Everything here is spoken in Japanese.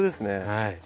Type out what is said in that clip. はい。